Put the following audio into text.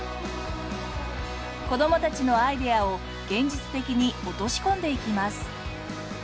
子供たちのアイデアを現実的に落とし込んでいきます。